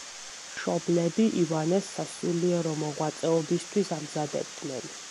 მშობლები ივანეს სასულიერო მოღვაწეობისთვის ამზადებდნენ.